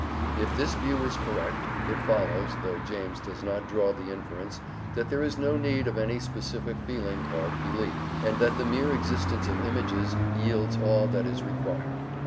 If this view is correct, it follows (though James does not draw the inference) that there is no need of any specific feeling called "belief," and that the mere existence of images yields all that is required.